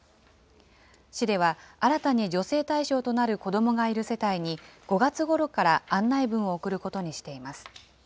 市では新たに助成対象となる子どもがいる世帯に、５月ごろから案内文を送ることにしています。